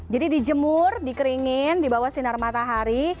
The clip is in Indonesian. jadi dijemur dikeringin di bawah sinar matahari